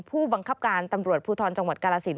ผู้บังคับการตำรวจภูทรจังหวัดกาลสิน